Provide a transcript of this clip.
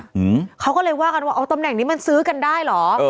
อืมเขาก็เลยว่ากันว่าอ๋อตำแหน่งนี้มันซื้อกันได้เหรอเออ